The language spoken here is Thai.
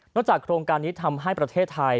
จากโครงการนี้ทำให้ประเทศไทย